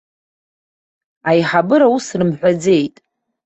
Аиҳабыра ус рымҳәаӡеит!